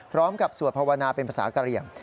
พร้อมกับสวดภาวนาเป็นภาษากะเรียง